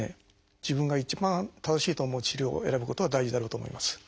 自分が一番正しいと思う治療を選ぶことが大事だろうと思います。